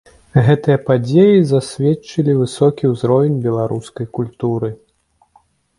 Гэтыя падзеі засведчылі высокі ўзровень беларускай культуры.